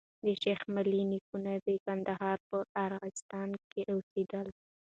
د شېخ ملي نيکونه د کندهار په ارغستان کي اوسېدل.